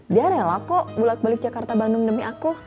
dia rela kok bulat balik jakarta bandung demi aku